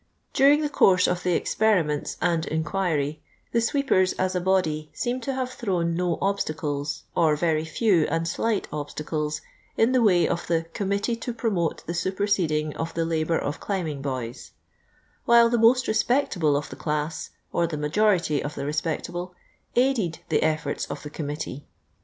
During the course of the experiments and inquiry, the sweepers, as a body, seem to have thrown no obstacles, or very few and slight obstacles, in the way of the "Committee to promote the Superseding of the Labour of Climbing Boys;" while the most respectable of the chiss, or the majority of the respectable, aided the efforts of the Committee.